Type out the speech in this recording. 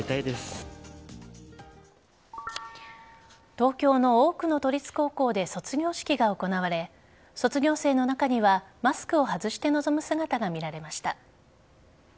東京の多くの都立高校で卒業式が行われ卒業生の中にはマスクを外して臨む姿が見られました。